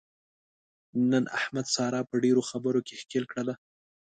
نن احمد ساره په ډېرو خبرو کې ښکېل کړله.